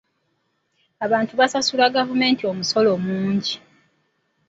Abantu basasula gavumenti omusolo mungi.